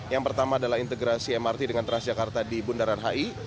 yang pertama adalah integrasi mrt dengan transjakarta di bundaran hi